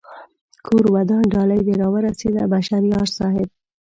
کور ودان ډالۍ دې را و رسېده بشر یار صاحب